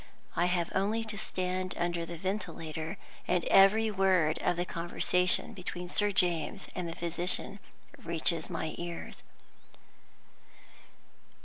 I have only to stand under the ventilator, and every word of the conversation between Sir James and the physician reaches my ears.